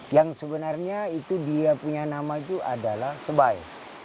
yang sebenarnya itu dia punya nama itu adalah sebaik